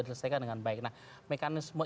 diselesaikan dengan baik nah mekanisme